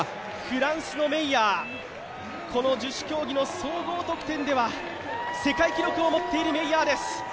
フランスのメイヤー、十種競技の総合得点では世界記録を持っているメイヤーです。